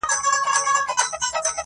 • د خان کشري لور ژړل ویل یې پلاره -